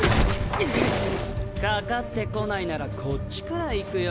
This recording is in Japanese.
ぐ！かかってこないならこっちから行くよ。